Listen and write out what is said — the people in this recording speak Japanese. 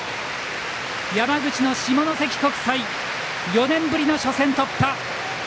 山口の下関国際４年ぶりの初戦突破。